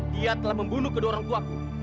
dia telah membunuh kedua orangku aku